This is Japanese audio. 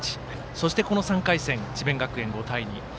そして、この３回戦智弁学園５対２。